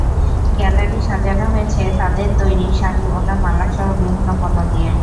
Gallery সাজানো হয়েছে তাদের তৈরি শাড়ি, ওড়না, মালাসহ বিভিন্ন পণ্য দিয়ে।